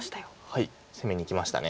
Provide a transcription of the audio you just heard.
はい攻めにいきました。